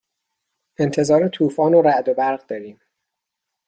انتظار طوفان رعد و برق داریم.